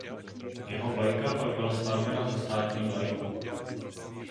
Jeho vlajka pak byla stanovena za státní vlajku.